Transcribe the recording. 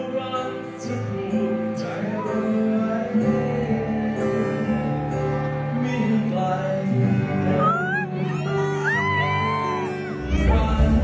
ไม่อยู่ช่วงที่หัวใจมีอะไรอยู่